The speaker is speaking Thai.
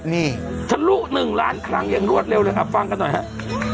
นี่ทะลุ๑ล้านครั้งอย่างรวดเร็วเลยครับฟังกันหน่อยฮะ